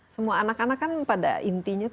semua anak anak kan pada intinya